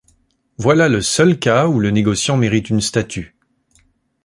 Voilà le seul cas où le négociant mérite une statue.